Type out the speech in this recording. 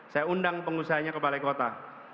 saya undang pengusahanya ke balai kota